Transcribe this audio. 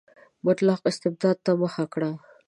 مطلق استبداد ته مخه کړه.